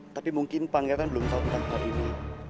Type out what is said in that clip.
tapi mungkin pangeran belum tahu tentang hal ini